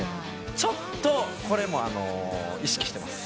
ちょっとこれも意識してます。